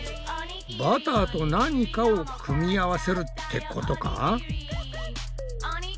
バターと何かを組み合わせるってことか？